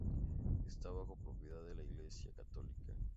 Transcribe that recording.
Está bajo propiedad de la Iglesia católica.